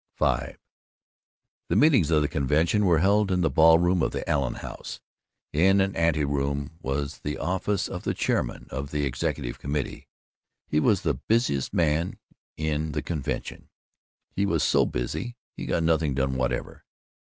V The meetings of the convention were held in the ballroom of the Allen House. In an anteroom was the office of the chairman of the executive committee. He was the busiest man in the convention; he was so busy that he got nothing done whatever.